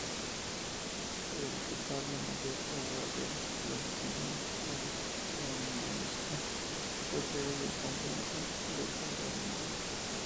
El retablo mayor, obra del clasicismo manierista, fue traído del convento de Santo Domingo.